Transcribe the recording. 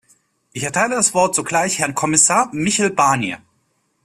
Ich erteile das Wort sogleich Herrn Kommissar Michel Barnier.